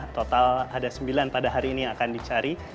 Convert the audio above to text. total ada sembilan pada hari ini yang akan dicari